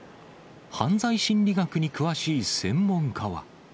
犯罪心理学に詳しい専門家は。